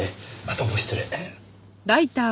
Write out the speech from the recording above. どうも失礼。